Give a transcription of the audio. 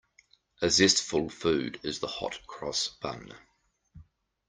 A zestful food is the hot-cross bun.